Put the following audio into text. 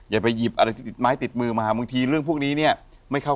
อย่าไปหยิบอะไรไว้ติดมือมา